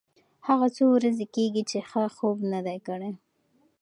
هغه څو ورځې کېږي چې ښه خوب نه دی کړی.